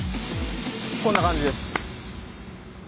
こんな感じです。